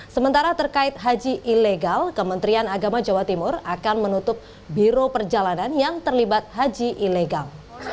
sementara terkait haji ilegal kementerian agama jawa timur akan menutup biro perjalanan yang terlibat haji ilegal